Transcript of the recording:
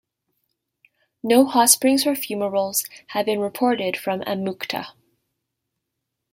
No hot springs or fumaroles have been reported from Amukta.